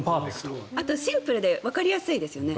あとシンプルでわかりやすいですよね。